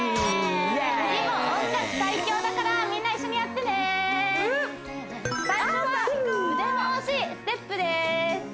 次も音楽最強だからみんな一緒にやってね最初は腕回しステップですああ最高！